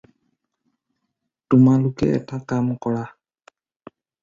তোমালোকে এটা কাম কৰা।